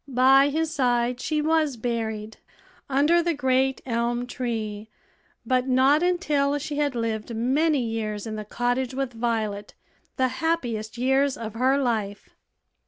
By his side she was buried, under the great elm tree, but not until she had lived many years in the cottage with Violet the happiest years of her life.